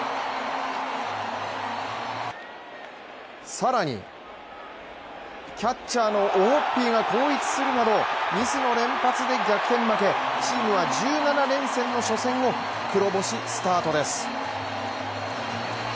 更に、キャッチャーのオホッピーが後逸するなどミスの連発で逆転負け、チームは１７連戦の初戦を黒星スタートです。